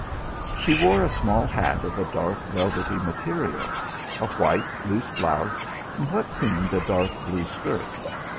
She wore a small hat of a dark velvety material; a white, loose blouse, and what seemed a dark blue skirt.